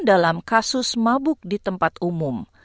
dalam kasus mabuk di tempat umum